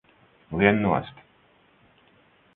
Lien nost!